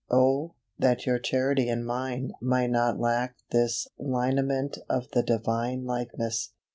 Oh, that your Charity and mine might not lack this lineament of the Divine likeness!